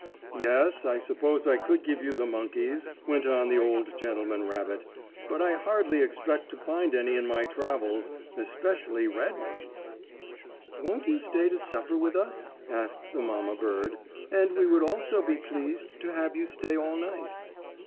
"Yes, I suppose I could give you the monkeys," went on the old gentleman rabbit, "but I hardly expect to find any in my travels especially red ones." "Won't you stay to supper with us?" asked the mamma bird, "and we would also be pleased to have you stay all night.